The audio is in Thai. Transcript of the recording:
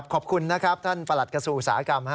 ขอบคุณนะครับท่านประหลัดกระทรวงอุตสาหกรรม